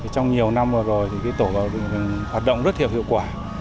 trong nhiều năm rồi thì tổ bảo vệ rừng hoạt động rất hiệu quả